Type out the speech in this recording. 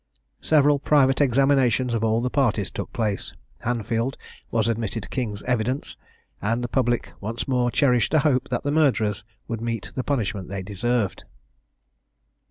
Several private examinations of all the parties took place. Hanfield was admitted king's evidence, and the public once more cherished a hope that the murderers would meet the punishment they deserved.